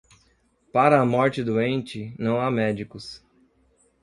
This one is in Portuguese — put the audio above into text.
Para a morte doente, não há médicos.